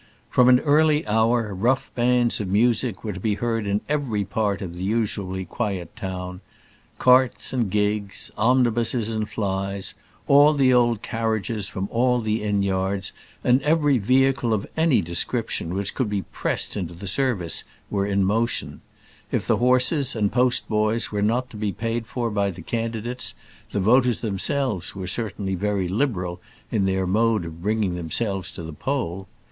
From an early hour rough bands of music were to be heard in every part of the usually quiet town; carts and gigs, omnibuses and flys, all the old carriages from all the inn yards, and every vehicle of any description which could be pressed into the service were in motion; if the horses and post boys were not to be paid for by the candidates, the voters themselves were certainly very liberal in their mode of bringing themselves to the poll.